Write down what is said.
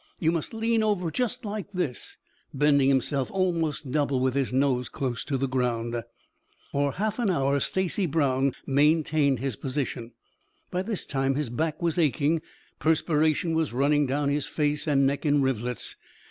"You must lean over just like this," bending himself almost double with his nose close to the ground. For a half hour Stacy Brown maintained his position. By this time his back was aching, perspiration was running down his face and neck in rivulets.